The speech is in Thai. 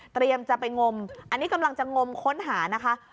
จะไปงมอันนี้กำลังจะงมค้นหานะคะ